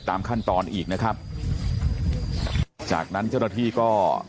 ตามขั้นตอนอีกนะครับจากนั้นเจ้าหน้าที่ก็